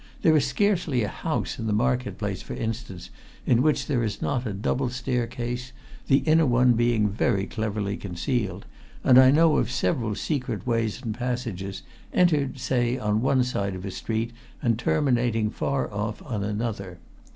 There is scarcely a house in the market place, for instance, in which there is not a double staircase, the inner one being very cleverly concealed, and I know of several secret ways and passages, entered, say, on one side of a street and terminating far off on another.